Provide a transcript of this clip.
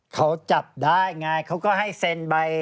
เขาจับได้ไงเขาก็ให้เซ็นใบ